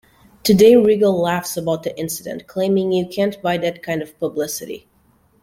Today, Rigel laughs about the incident, claiming You can't buy that kind of publicity.